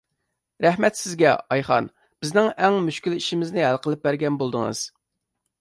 رەھمەت سىزگە، ئايخان، بىزنىڭ ئەڭ مۈشكۈل ئىشىمىزنى ھەل قىلىپ بەرگەن بولدىڭىز.